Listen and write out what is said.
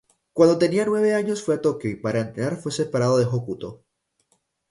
Cuando tenía nueve años fue a Tokio y para entrenar fue separado de Hokuto.